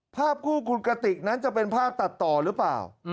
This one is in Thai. ภาพคู่คุณกติกนั้นจะเป็นภาพตัดต่อหรือเปล่า